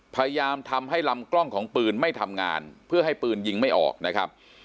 พยายามทำให้ลำกล้องของปืนไม่ทำงานเพื่อให้ปืนยิงไม่ออกนะครับ